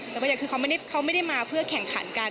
แต่บางอย่างคือเขาไม่ได้มาเพื่อแข่งขันกัน